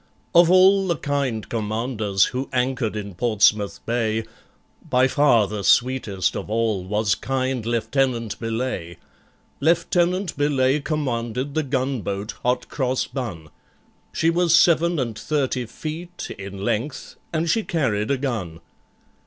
Of all the kind commanders who anchored in Portsmouth Bay, By far the sweetest of all was kind LIEUTENANT BELAYE.' LIEUTENANT BELAYE commanded the gunboat Hot Cross Bun, She was seven and thirty feet in length, and she carried a gun.